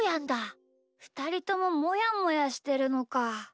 ふたりとももやもやしてるのか。